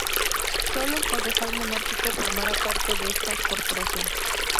Solo un concejal monárquico formará parte de esta Corporación.